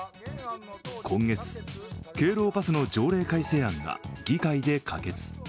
今月、敬老パスの条例改正案が議会で可決。